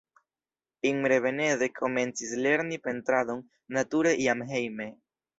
Imre Benedek komencis lerni pentradon nature jam hejme.